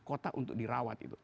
kota untuk dirawat itu